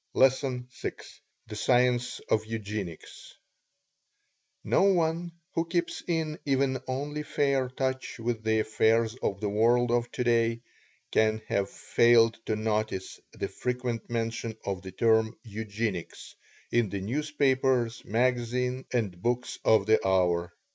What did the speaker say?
LESSON VI THE SCIENCE OF EUGENICS No one who keeps in even only fair touch with the affairs of the world of today can have failed to notice the frequent mention of the term "Eugenics" in the newspapers, magazine, and books of the hour.